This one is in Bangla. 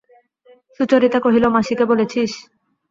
সুচরিতা কহিল, মাসিকে বলেছিস?